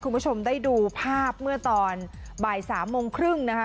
คุณผู้ชมได้ดูภาพเมื่อตอนบ่าย๓โมงครึ่งนะคะ